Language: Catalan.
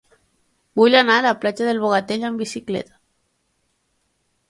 Vull anar a la platja del Bogatell amb bicicleta.